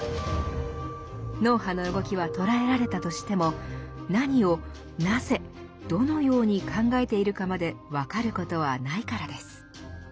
脳波の動きは捉えられたとしても何をなぜどのように考えているかまで分かることはないからです。